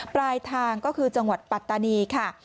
ปลายทางก็คือจังหวัดปัตตานีค่ะ